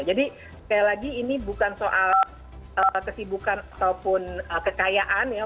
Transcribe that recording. jadi kayak lagi ini bukan soal kesibukan ataupun kekayaan ya